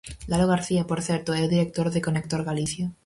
Lalo García, por certo, é o director de Conector Galicia.